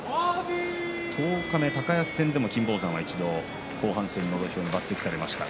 十日目、高安戦では金峰山は後半戦に抜てきされました。